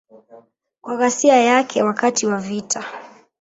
Kwa ghasia yake wakati wa vita.